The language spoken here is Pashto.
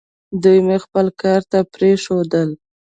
دوی مې خپل کار ته پرېښوول.